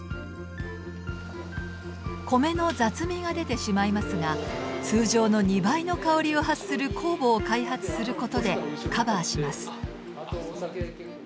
米の雑味が出てしまいますが通常の２倍の香りを発するこうぼを開発することでカバーします。